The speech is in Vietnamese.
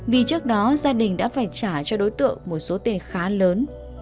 vì trước đó gia đình đã phải trả cho đối tượng một số tiền khá lớn